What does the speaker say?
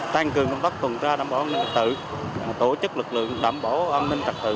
tăng cường công tác tuần tra đảm bảo an ninh tự tổ chức lực lượng đảm bảo an ninh trật tự